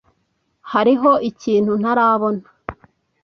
Hariho ikintu ntarabona.